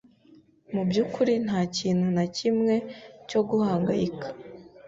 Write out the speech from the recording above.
Mubyukuri, ntakintu nakimwe cyo guhangayika.